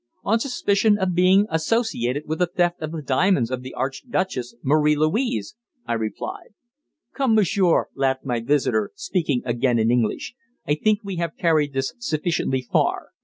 "On suspicion of being associated with the theft of the diamonds of the Archduchess Marie Louise," I replied. "Come, monsieur," laughed my visitor, speaking again in English, "I think we have carried this sufficiently far."